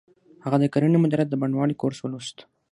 هغه د کرنې مدیریت د بڼوالۍ کورس ولوست